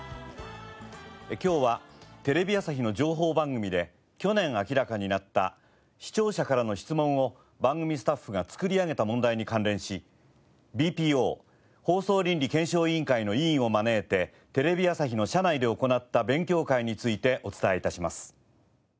今日はテレビ朝日の情報番組で去年明らかになった視聴者からの質問を番組スタッフが作り上げた問題に関連しＢＰＯ放送倫理検証委員会の委員を招いてテレビ朝日の社内で行った勉強会についてお伝え致します。